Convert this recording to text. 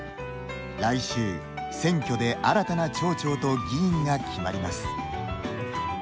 来週、選挙で新たな町長と議員が決まります。